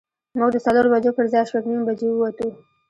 موږ د څلورو بجو پر ځای شپږ نیمې بجې ووتو.